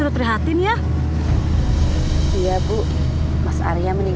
erosinya eigenlijk kayak gimana kali ya si abang